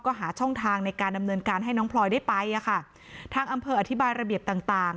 ก็หาช่องทางในการดำเนินการให้น้องพลอยได้ไปอ่ะค่ะทางอำเภออธิบายระเบียบต่างต่าง